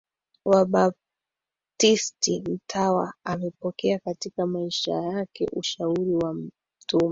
Wabaptisti Mtawa amepokea katika maisha yake ushauri wa mtume